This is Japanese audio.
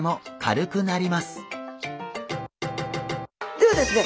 ではですね